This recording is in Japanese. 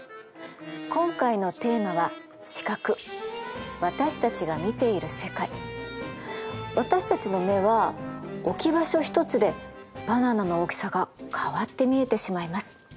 今回のテーマは私たちの目は置き場所一つでバナナの大きさが変わって見えてしまいます。